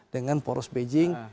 dengan poros beijing